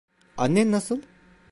Annen nasıl?